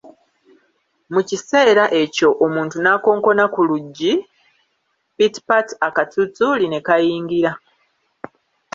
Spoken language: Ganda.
Mu kiseera ekyo omuntu n'akonkona ku luggi, Pitpat akatutuuli ne kayingira.